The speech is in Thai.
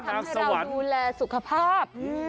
ทำให้เราดูแลสุขภาพ